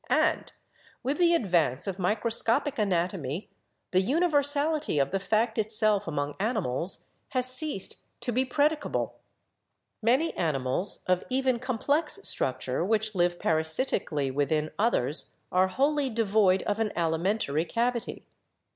And, with the advance of micro scopic anatomy, the universality of the fact itself among animals has ceased to be predicable. Many animals of even complex structure which live parasitically within others are wholly devoid of an alimentary cavity.